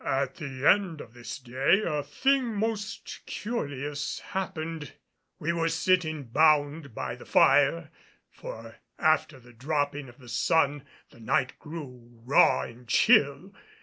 At the end of this day a thing most curious happened. We were sitting bound by the fire, for after the dropping of the sun the night grew raw and chill.